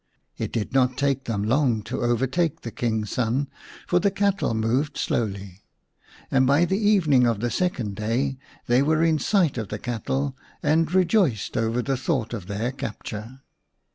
It did not take them long to overtake the King's son, for the cattle moved slowly ; and by the evening of the second day they were in sight of the cattle, and rejoiced over the thought of their capture.